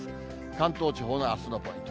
関東地方のあすのポイント。